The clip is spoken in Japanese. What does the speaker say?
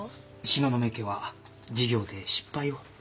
東雲家は事業で失敗を。